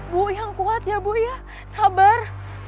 bu yang kuat ya bu ya sabar